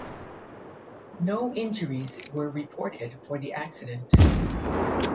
No injuries were reported for the accident.